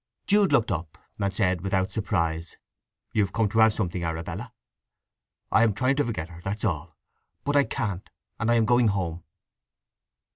Jude looked up, and said without surprise: "You've come to have something, Arabella? … I'm trying to forget her: that's all! But I can't; and I am going home."